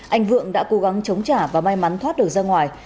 anh vượng đã cố gắng chống trả và may mắn thoát được ra ngoài